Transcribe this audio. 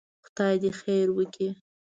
خدای دې خير وکړي.